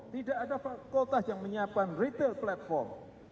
tidak ada fakultas yang menyiapkan retail platform